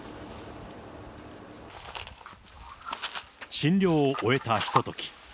診療を終えたひととき。